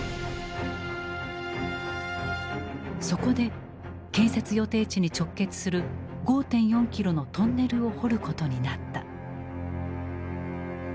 そこで建設予定地に直結する５．４キロのトンネルを掘ることになった。